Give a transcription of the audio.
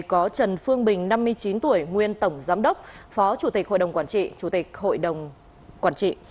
có trần phương bình năm mươi chín tuổi nguyên tổng giám đốc phó chủ tịch hội đồng quản trị